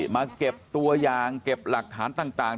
มาเก็บตัวอย่างเก็บหลักฐานต่าง